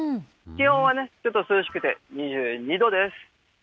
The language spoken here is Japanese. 気温はちょっと涼しくて２２度です。